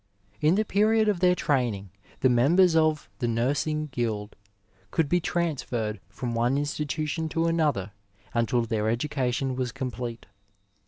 In the period of their training, the members of the 'Nursing Guild could be transferred from one institution to another untQ their education was complete.